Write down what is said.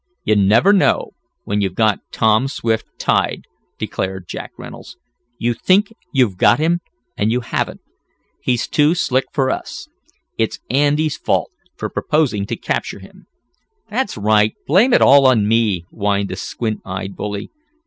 "You never know when you've got Tom Swift tied," declared Jack Reynolds. "You think you've got him, and you haven't. He's too slick for us. It's Andy's fault, for proposing to capture him." "That's right! Blame it all on me," whined the squint eyed bully.